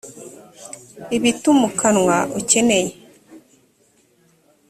ibitimukanwa ukeneye